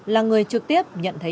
là người trực tiếp nhận thấy